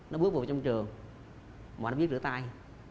nó bước vào trong trường mà nó biết rửa tay